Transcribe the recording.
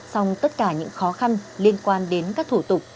xong tất cả những khó khăn liên quan đến các thủ tục